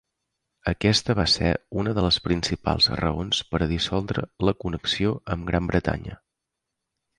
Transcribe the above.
Aquesta va ser una de les principals raons per a dissoldre la connexió amb Gran Bretanya.